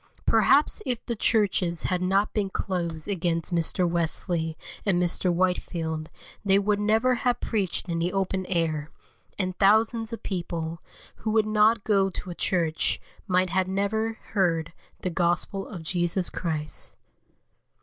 Perhaps if the churches had not been closed against Mr. Wesley and Mr. Whitefield they would never have preached in the open air, and thousands of people, who would not go to a church, might never have heard the Gospel of Jesus Christ.